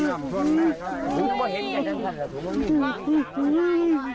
ตามไปเพื่อจะทำไปจำมียม